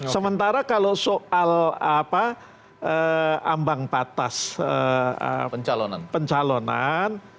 sementara kalau soal ambang batas pencalonan